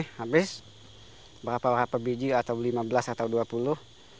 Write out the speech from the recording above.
habis berapa biji atau lima belas atau dua puluh